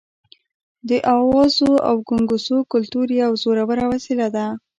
د اوازو او ګونګوسو کلتور یوه زوروره وسله ده.